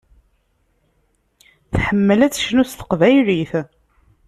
Tḥemmel ad tecnu s teqbaylit.